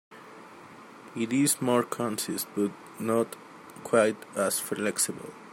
It is more concise but not quite as flexible.